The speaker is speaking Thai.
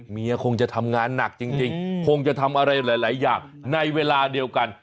คงจะทำงานหนักจริงคงจะทำอะไรหลายอย่างในเวลาเดียวกัน